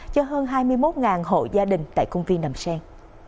cho hơn hai mươi một hộ gia đình tại công viên đầm sen